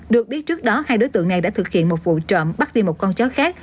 được biết trước đó hai đối tượng này đã thực hiện một vụ trộm bắt đi một con chó khác